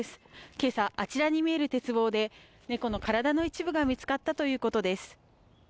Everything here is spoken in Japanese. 今朝、あちらに見える鉄棒で猫の体の一部が見つかったということです。